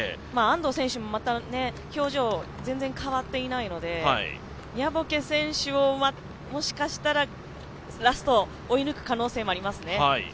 安藤選手もまだ表情、全然変わっていないので、ニャボケ選手を、もしかしたらラスト、追い抜く可能性もありますね。